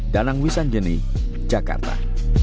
danang wisanjeni jakarta